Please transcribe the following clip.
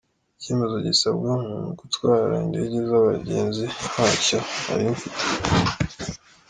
Icyemezo gisabwa mu gutwara indege z’abagenzi ntacyo nari mfite.